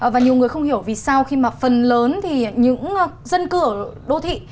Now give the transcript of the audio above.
và nhiều người không hiểu vì sao khi mà phần lớn thì những dân cư ở đô thị